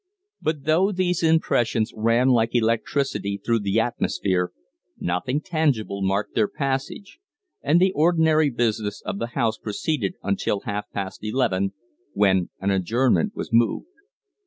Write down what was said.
But though these impressions ran like electricity through the atmosphere, nothing tangible marked their passage, and the ordinary business of the House proceeded until half past eleven, when an adjournment was moved.